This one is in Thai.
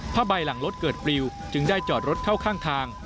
ใบหลังรถเกิดปลิวจึงได้จอดรถเข้าข้างทาง